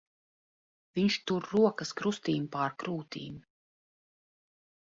Viņš tur rokas krustīm pār krūtīm.